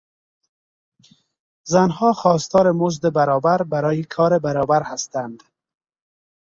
زنها خواستار مزد برابر برای کار برابر هستند.